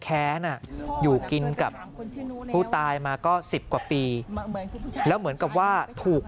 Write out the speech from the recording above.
แค้นอยู่กินกับผู้ตายมาก็๑๐กว่าปีแล้วเหมือนกับว่าถูก